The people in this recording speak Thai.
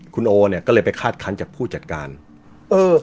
คุณโอเนี่ยก็เลยไปคาดคันจากผู้จัดการเออ